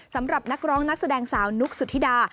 สำหรับนักร้องนักแสดงสาวนุกสุธิดา